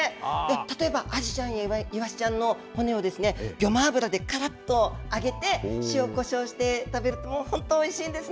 例えば、アジちゃんやイワシちゃんの骨を、ぎょま油で揚げて、塩こしょうして食べると本当、おいしいんです